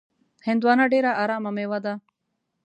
هندوانه ډېره ارامه میوه ده.